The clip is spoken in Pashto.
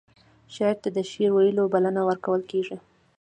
شاعر ته د شعر ویلو بلنه ورکول کیږي.